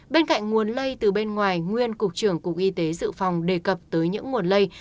bên cạnh nguồn lây từ bên ngoài nguyên cục trưởng cục y tế dự phòng đề cập tới những nguồn lây